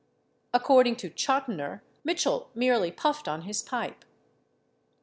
According to Chotiner, Mitchell merely puffed on his pipe.